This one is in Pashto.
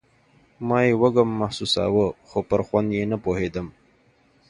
ما يې وږم محسوساوه خو پر خوند يې نه پوهېدم.